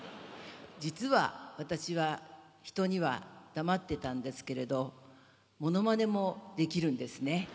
実は私は人には黙ってたんですけれどものまねもできるんですね。